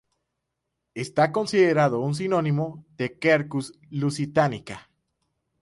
Está considerado un sinónimo de "Quercus lusitanica".